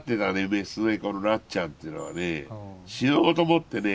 雌猫のなっちゃんっていうのはね死のうと思ってね